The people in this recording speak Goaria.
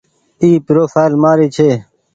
اي پروڦآئل مآري ڇي۔